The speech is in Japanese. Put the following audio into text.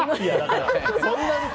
そんなに？